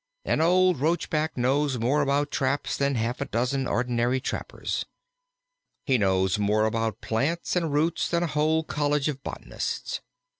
An old Roachback knows more about traps than half a dozen ordinary trappers; he knows more about plants and roots than a whole college of botanists.